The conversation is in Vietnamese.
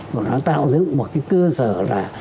và nó tạo dựng một cái cơ sở là